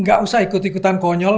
gak usah ikut ikutan konyol